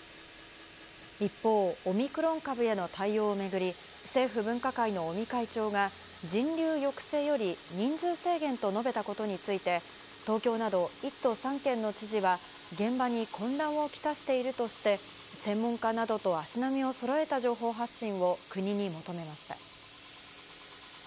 一方、オミクロン株への対応を巡り、政府分科会の尾身会長が、人流抑制より人数制限と述べたことについて、東京など１都３県の知事は、現場に混乱を来しているとして、専門家などと足並みをそろえた情報発信を国に求めました。